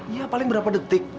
ya paling berapa detik